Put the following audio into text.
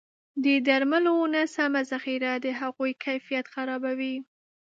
د درملو نه سمه ذخیره د هغوی کیفیت خرابوي.